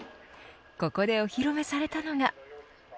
ここで、お披露目されたのが。